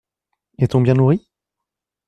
Est-on bien nourri ?